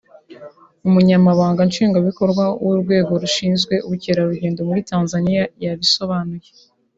Umunyamabanga Nshingwabikorwa w’Urwego rushinzwe Ubukerarugendo muri Tanzaniya yabisobanuye